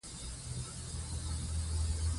افغانستان د ژمی لپاره مشهور دی.